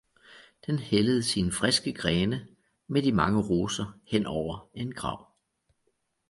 den hældede sine friske grene med de mange roser hen over en grav.